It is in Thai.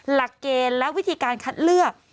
หลักเกณฑ์และวิธีการคัดเลือก